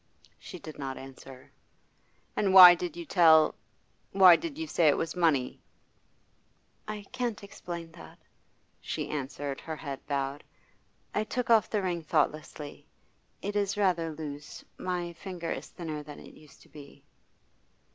She did not answer. 'And why did you tell why did you say it was money?' 'I can't explain that,' she answered, her head bowed. 'I took off the ring thoughtlessly; it is rather loose; my finger is thinner than it used to be.